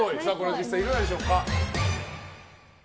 実際いかがでしょうか。